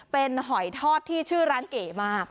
เป็นหอยทอดที่ชื่อร้านเก๋มาก